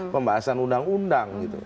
pembahasan undang undang gitu